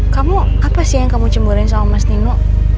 kamu apa sih yang kamu cemburan sama mas nino